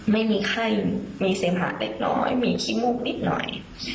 ไม่มีไข้มีเสมหะเล็กน้อยมีขี้มูกนิดหน่อย